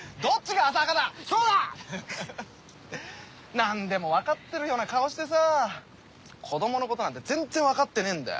なんでもわかってるような顔してさ子供のことなんて全然わかってねえんだよ。